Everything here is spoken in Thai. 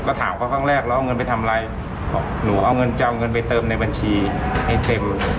ก็ถามเขาครั้งแรกแล้วเอาเงินไปทำอะไรบอกหนูเอาเงินจะเอาเงินไปเติมในบัญชีให้เต็ม